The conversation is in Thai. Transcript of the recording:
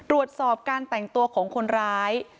ตรวจสอบการแต่งตัวของคนร้าย